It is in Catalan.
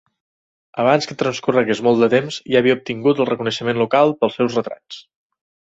Abans que transcorregués molt de temps, ja havia obtingut el reconeixement local pels seus retrats.